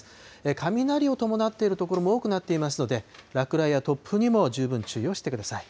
雷を伴っている所も多くなっていますので、落雷や突風にも十分注意をしてください。